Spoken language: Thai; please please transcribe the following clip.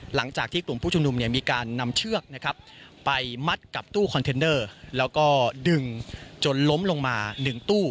หลังจากที่กลุ่มผู้ชมนุมเนี่ยมีการนำเชือกนะครับไปมัดกับตู้แล้วก็ดึงจนล้มลงมาหนึ่งตู้